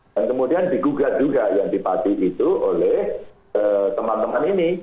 dan kemudian digugat juga yang di pati itu oleh teman teman ini